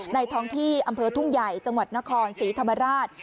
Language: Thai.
ท้องที่อำเภอทุ่งใหญ่จังหวัดนครศรีธรรมราช